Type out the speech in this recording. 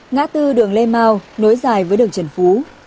ngã tư đường lê mau nối dài với đường trần phú